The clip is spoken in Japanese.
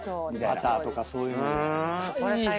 バターとかそういうので。